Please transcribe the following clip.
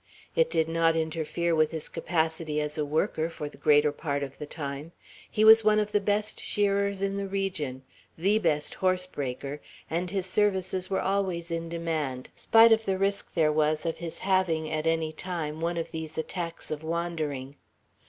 It did not interfere with his capacity as a worker, for the greater part of the time. He was one of the best shearers in the region, the best horse breaker; and his services were always in demand, spite of the risk there was of his having at any time one of these attacks of wandering.